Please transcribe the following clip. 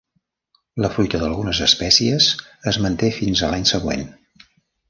La fruita d'algunes espècies es manté fins a l'any següent.